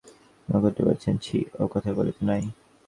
নক্ষত্র বলিলেন, ছি, ও কথা বলিতে নাই।